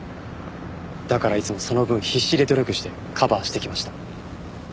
だからいつもその分必死で努力してカバーしてきました。